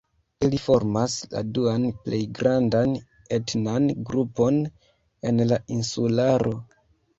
Ili formas la duan plej grandan etnan grupon en la insularo.